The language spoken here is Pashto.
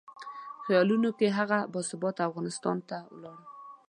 خیالونو کې هغه باثباته افغانستان ته لاړم.